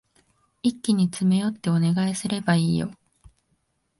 一気に詰め寄ってお願いすればいいよ。